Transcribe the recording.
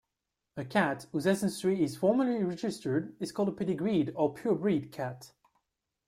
A cat whose ancestry is formally registered is called a pedigreed or purebred cat.